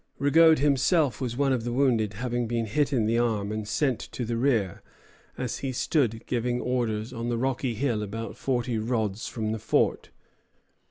Rigaud himself was one of the wounded, having been hit in the arm and sent to the rear, as he stood giving orders on the rocky hill about forty rods from the fort.